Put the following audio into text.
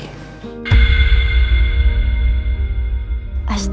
astaga kamu tuh keras ya